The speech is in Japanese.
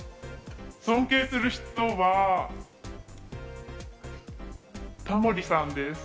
尊敬する人は、タモリさんです。